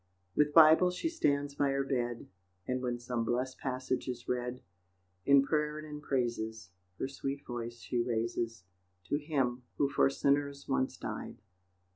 With Bible she stands by her bed, And when some blest passage is read, In prayer and in praises Her sweet voice she raises To Him who for sinners once died.